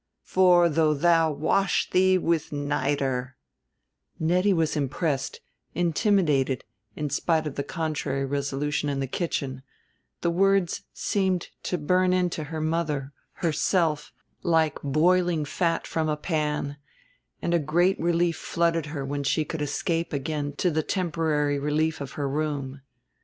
"'For though thou wash thee with nitre '" Nettie was impressed, intimidated, in spite of the contrary resolution in the kitchen: the words seemed to burn into her mother, herself, like boiling fat from a pan; and a great relief flooded her when she could escape again to the temporary relief of her room.